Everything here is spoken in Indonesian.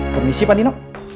permisi pak nino